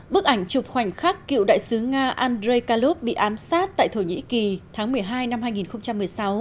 bức ảnh chụp khoảnh khắc cựu đại sứ nga andrei kalov bị ám sát tại thổ nhĩ kỳ tháng một mươi hai năm hai nghìn một mươi sáu